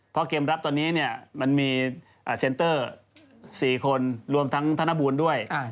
เพราะเกมรับตอนนี้เนี่ยมันมีเซ็นเตอร์๔คนรวมทั้งธนบูรณ์ด้วย